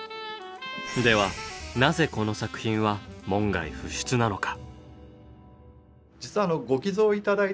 ではなぜこの作品は門外不出なのか？